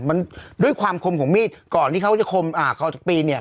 มันด้วยความคมของมีดก่อนที่เขาจะคมอ่าเขาจะปีนเนี่ย